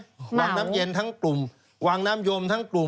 วังน้ำเย็นทั้งกลุ่มวังน้ำยมทั้งกลุ่ม